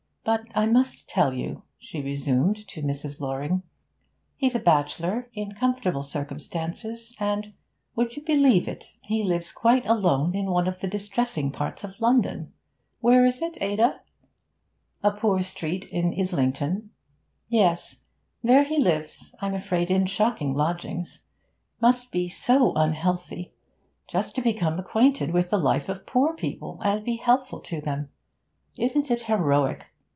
But I must tell you,' she resumed to Mrs. Loring. 'He's a bachelor, in comfortable circumstances, and would you believe it? he lives quite alone in one of the distressing parts of London. Where is it, Ada?' 'A poor street in Islington.' 'Yes. There he lives, I'm afraid in shocking lodgings it must be, so unhealthy just to become acquainted with the life of poor people, and be helpful to them. Isn't it heroic?